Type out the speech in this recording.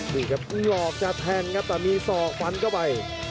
นี่ครับหยอกจะแทงครับแต่มีศอกฟันเข้าไป